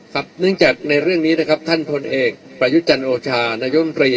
เนื่องจากในเรื่องนี้นะครับท่านพลเอกประยุทธ์จันโอชานายมตรี